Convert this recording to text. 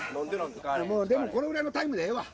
でもこれぐらいのタイムでええわ。